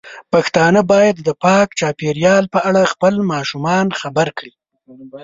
پښتانه بايد د پاک چاپیریال په اړه خپل ماشومان خبر کړي.